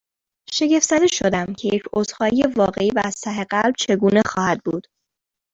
شگفت زده شدم، که یک عذرخواهی واقعی و از ته قلب چگونه خواهد بود؟